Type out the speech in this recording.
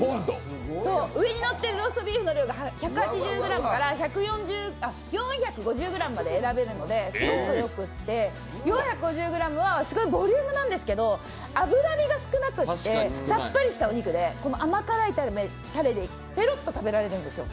上にのってるローストビーフの量が１８０ｇから４５０ｇまで選べるのですごくよくって、４５０ｇはすごいボリュームなんですけど、脂身が少なくて、さっぱりしたお肉で甘辛いたれでペロッと食べられるんですよ。